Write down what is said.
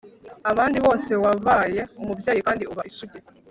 abandi bose, wabaye umubyeyi kandi uba isugi